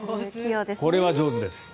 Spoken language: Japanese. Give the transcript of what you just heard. これは上手です。